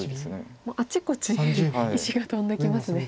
あちこち石が飛んできますね。